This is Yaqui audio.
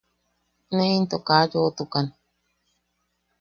Ne into ka yoʼotukan.